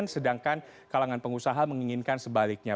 sedangkan kalangan pengusaha menginginkan sebaliknya